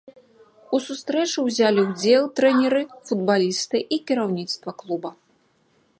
У сустрэчы ўзялі ўдзел трэнеры, футбалісты і кіраўніцтва клуба.